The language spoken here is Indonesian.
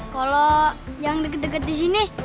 kalau yang dekat dekat di sini